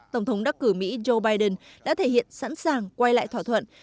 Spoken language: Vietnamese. tổng thống đắc cử mỹ joe biden đã thể hiện sẵn sàng quay lại thỏa thuận